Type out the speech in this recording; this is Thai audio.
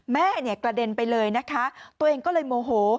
แม่เนี่ยกระเด็นไปเลยนะคะตัวเองก็เลยโมโห